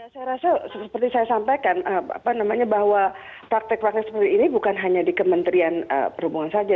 saya rasa seperti saya sampaikan bahwa praktek praktek seperti ini bukan hanya di kementerian perhubungan saja